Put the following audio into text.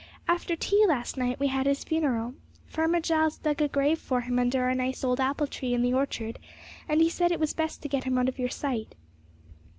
'After tea last night we had his funeral. Farmer Giles dug a grave for him under our nice old apple tree in the orchard, he said it was best to get him out of your sight.'